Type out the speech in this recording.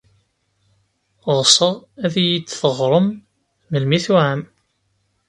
Ɣseɣ ad iyi-d-teɣrem melmi tuɛam.